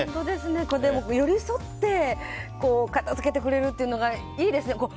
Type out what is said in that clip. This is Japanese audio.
でも寄り添って片づけてくれるというのがいいですね。